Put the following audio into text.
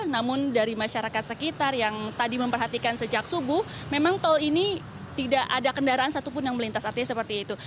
namun dari masyarakat sekitar yang tadi memperhatikan sejak subuh memang tol ini tidak ada kendaraan satupun yang melintas artinya seperti itu